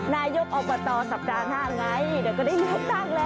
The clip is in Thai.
นายยกออกมาตอนสัปดาห์๕ไงเดี๋ยวก็ได้เลือกตังค์แล้ว